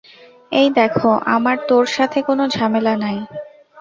এই দেখ, আমার তোর সাথে কোন ঝামেলা নাই।